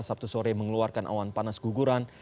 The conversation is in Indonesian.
sabtu sore mengeluarkan awan panas guguran